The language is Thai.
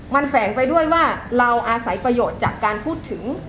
มันแฝงไปด้วยว่าเราอาศัยประโยชน์จากการพูดถึง